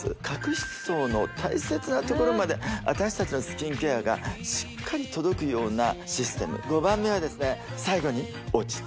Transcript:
角質層の大切なところまで私たちのスキンケアがしっかり届くようなシステム５番目はですね